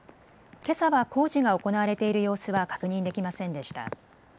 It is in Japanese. けさは工事が行われている様子は確認できませんでした。